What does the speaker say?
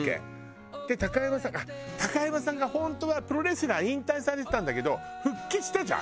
山さんあっ山さんが本当はプロレスラー引退されてたんだけど復帰したじゃん？